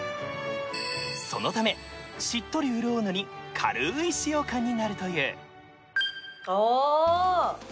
そのためしっとり潤うのに軽い使用感になるというあ！